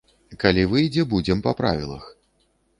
Калі выйдзе, будзем па правілах.